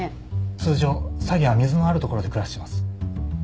通常サギは水のある所で暮らしてます。